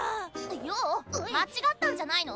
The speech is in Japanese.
曜間違ったんじゃないの？